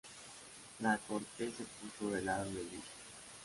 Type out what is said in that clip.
La corte se puso del lado de White..